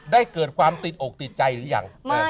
เกิดความติดอกติดใจหรือยัง